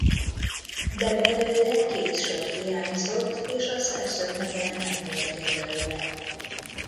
De belőle két sor hiányzott és a szerző neve nem volt jelölve.